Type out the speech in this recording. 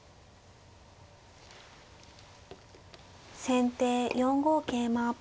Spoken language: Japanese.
先手４五桂馬。